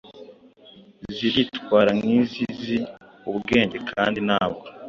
ziritwara nk’izizi ubwenge kandi ntabwo